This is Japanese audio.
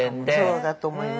そうだと思います。